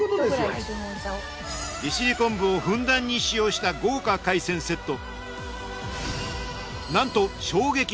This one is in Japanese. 利尻昆布をふんだんに使用した豪華海鮮セット。